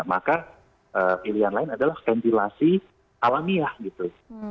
maka pilihan lain adalah ventilasi alamiah gitu